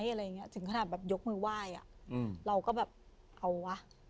อะไรอย่างเงี้ถึงขนาดแบบยกมือไหว้อ่ะอืมเราก็แบบเอาวะ